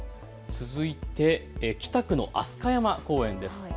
続いて北区の飛鳥山公園です。